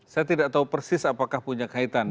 saya tidak tahu persis apakah punya kaitan